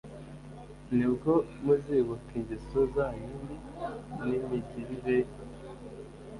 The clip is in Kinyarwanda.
ni bwo muzibuka ingeso zanyu mbi n imigirire